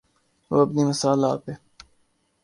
وہ اپنی مثال آپ ہے۔